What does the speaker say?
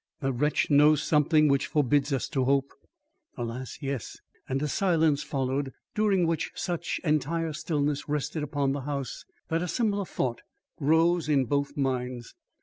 The wretch knows something which forbids us to hope." "Alas, yes." And a silence followed, during which such entire stillness rested upon the house that a similar thought rose in both minds.